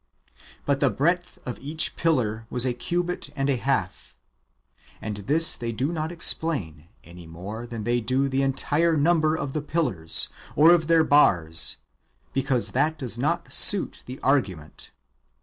" But the breadth of each pillar was a cubit and a half ;'"^ and this they do not explain, any more than they do the entire number of the pillars or of their bars, because that does not suit the argument.